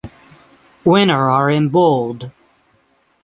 Winner are in Bold.